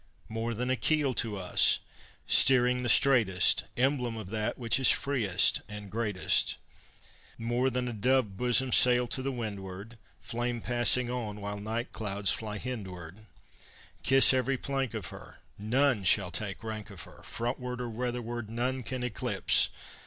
More than a keel to us, steering the straightest: Emblem of that which is freest and greatest. More than a dove bosomed sail to the windward: Flame passing on while the night clouds fly hindward. Kiss every plank of her! None shall take rank of her; Frontward or weatherward, none can eclipse.